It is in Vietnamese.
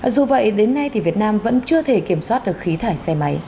dù vậy đến nay thì việt nam vẫn chưa thể kiểm soát được khí thải xe máy